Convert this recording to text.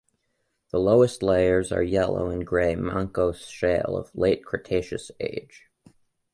The lowest layers are yellow and gray Mancos Shale of late Cretaceous age.